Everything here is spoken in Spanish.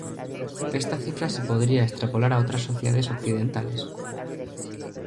Esta cifra se podría extrapolar a otras sociedades occidentales.